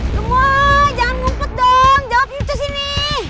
gemoy jangan ngumpet dong jawabnya ke sini